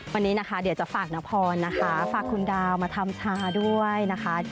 วันนี้นะคะเดี๋ยวจะฝากนพรนะคะฝากคุณดาวมาทำชาด้วยนะคะ